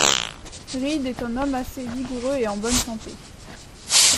Reed est un homme assez vigoureux et en bonne santé.